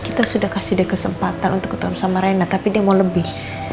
kita sudah kasih dia kesempatan untuk ketemu sama reina tapi dia mau lebih